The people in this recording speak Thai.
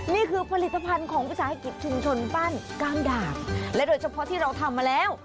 นี่คือผลิตภัณฑ์ของวิสาหกิจชุมชนปั้นกล้ามดาบและโดยเฉพาะที่เราทำมาแล้ว